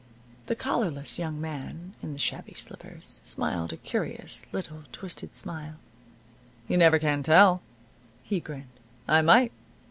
The collarless young man in the shabby slippers smiled a curious little twisted smile. "You never can tell," he grinned, "I might."